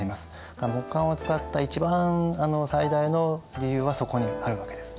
だから木簡を使った一番最大の理由はそこにあるわけです。